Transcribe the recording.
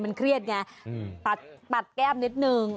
มันเครียดไงปัดแก้มนิดนึง